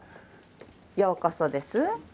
ようこそです。